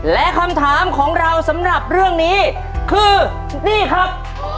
และคำถามของเราสำหรับเรื่องนี้คือนี่ครับ